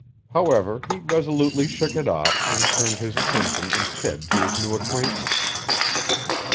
However, he resolutely shook it off and turned his attention instead to his new acquaintance.